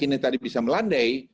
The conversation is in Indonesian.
yang tadi bisa melandai